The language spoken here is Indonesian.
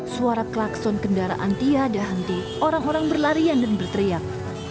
suara klakson kendaraan tiada henti orang orang berlarian dan berteriak